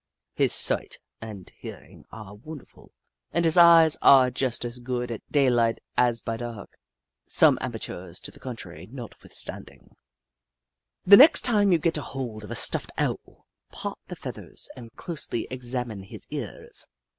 His sight and hearing are wonderful, and his eyes are Hoot Mon 201 just as good by daylight as by dark, some amateurs to the contrary notwithstanding. The next time you get hold of a stuffed Owl, part the feathers and closely examine his ears.